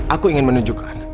aku ingin menunjukkan